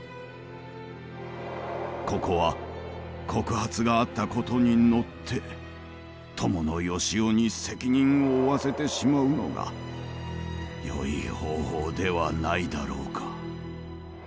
ここは告発があった事に乗って伴善男に責任を負わせてしまうのがよい方法ではないだろうか？